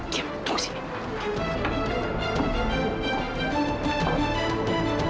diam tunggu sini